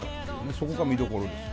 そこが見どころですよ。